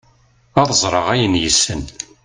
ad ẓreɣ ayen yessen